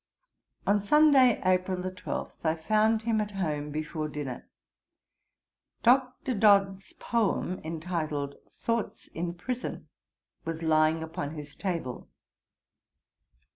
On Sunday, April 12, I found him at home before dinner; Dr. Dodd's poem entitled Thoughts in Prison was lying upon his table.